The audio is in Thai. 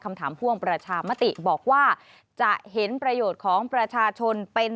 พ่วงประชามติบอกว่าจะเห็นประโยชน์ของประชาชนเป็น